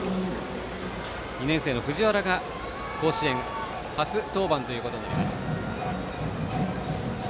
２年生の藤原が甲子園初登板ということになります。